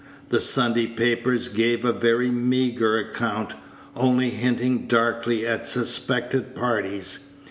The Sunday papers gave a very meagre account, only hinting darkly at suspected parties.